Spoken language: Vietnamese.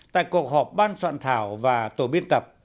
tại cuộc họp ban soạn thảo và tổ biên tập